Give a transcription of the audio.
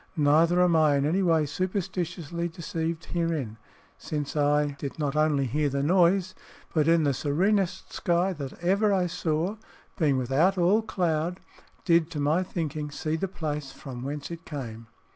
Neither am I in any way superstitiously deceived herein, since I did not only hear the noise, but in the serenest sky that ever I saw being without all cloud did, to my thinking, see the place from whence it came."